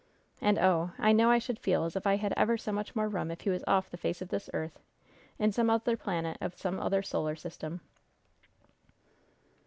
And, oh, I know I should feel as if I had ever so much more room if he was off the face of this earth in some other planet of some other solar system."